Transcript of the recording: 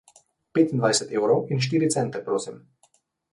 Petindvajset evrov in štiri cente prosim.